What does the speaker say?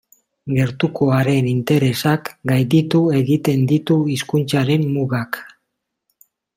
Gertukoaren interesak gainditu egiten ditu hizkuntzaren mugak.